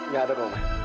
gak ada kok ma